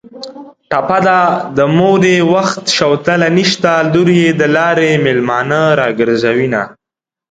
ټپه ده: د مور یې وخت شوتله نشته لور یې د لارې مېلمانه راګرځوینه